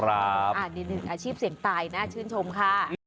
อันนี้หนึ่งอาชีพเสี่ยงตายน่าชื่นชมค่ะ